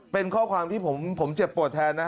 เป็นข้อความที่ผมเจ็บปวดแทนนะ